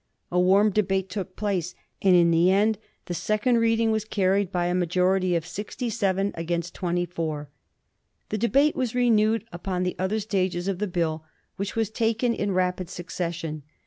A warm debate took place, and in the end the second reading was carried by a majority of 67 against 24. The debate was renewed upon the other stages of the Bill, which were taken in rapid succession.